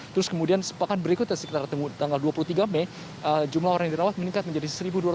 terus kemudian sepakat berikutnya sekitar tanggal dua puluh tiga mei jumlah orang yang dirawat meningkat menjadi satu dua ratus